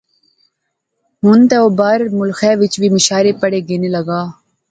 ہن تہ او باہرلے ملخیں وچ وی مشاعرے پڑھیا گینے لاغا